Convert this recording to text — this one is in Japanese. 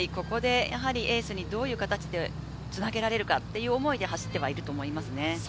エースにどういう形でつなげられるかという思いで走っていると思いますね。